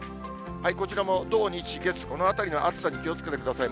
こちらも土、日、月、このあたりの暑さに気をつけてください。